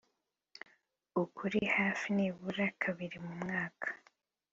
ukuri hafi nibura kabiri mu mwaka